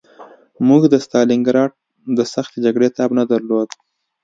موږ د ستالینګراډ د سختې جګړې تاب نه درلود